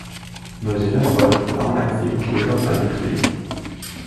Neuseeland war dem Verfahren als Nebenkläger beigetreten.